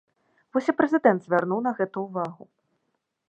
Вось і прэзідэнт звярнуў на гэта ўвагу.